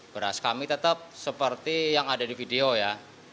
beras kami tetap seperti yang ada di video ya